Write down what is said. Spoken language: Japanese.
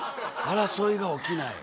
争いが起きない。